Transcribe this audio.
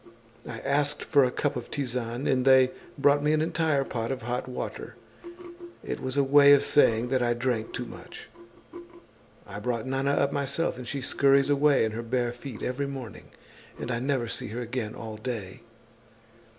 I asked for a cup of tisane and they brought me an entire pot of hot water. It was a way of saying that I drank too much. I brought Nana up myself and she scurries away in her bare feet every morning and I never see her again all day.